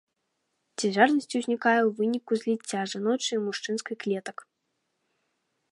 Цяжарнасць узнікае ў выніку зліцця жаночай і мужчынскай клетак.